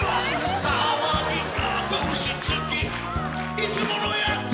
いつものやって！